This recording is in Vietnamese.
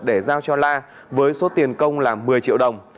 để giao cho la với số tiền công là một mươi triệu đồng